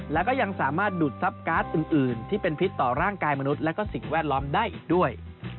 และก็ยังสามารถดูดทรัพย์การ์ดอื่นที่เป็นพิษต่อร่างกายมนุษย์และก็สิ่งแวดล้อมได้อีกด้วย